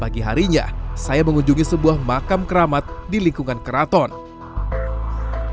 pagi harinya saya mengunjungi sebuah makam keramat di lingkungan rumah saya